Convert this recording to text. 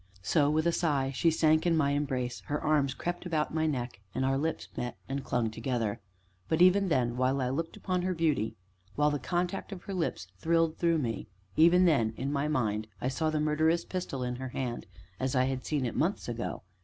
So, with a sigh, she sank in my embrace, her arms crept about my neck, and our lips met, and clung together. But even then while I looked upon her beauty, while the contact of her lips thrilled through me even then, in my mind, I saw the murderous pistol in her hand as I had seen it months ago.